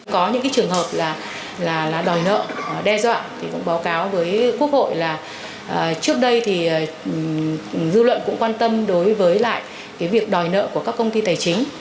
có những trường hợp là đòi nợ đe dọa báo cáo với quốc hội là trước đây dư luận cũng quan tâm đối với việc đòi nợ của các công ty tài chính